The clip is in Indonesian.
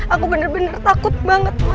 aku bener bener takut banget